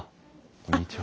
こんにちは。